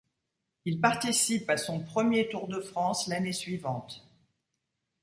Il participe à son premier Tour de France l'année suivante.